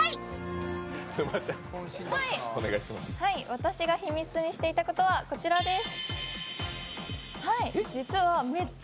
私が秘密にしていたことはこちらです。